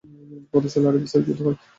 কত সালে আরব-ইসরায়েল যুদ্ধ হয়?